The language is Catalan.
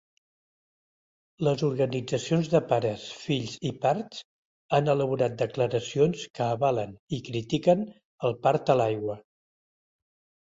Les organitzacions de pares, fills i parts han elaborat declaracions que avalen i critiquen el part a l'aigua.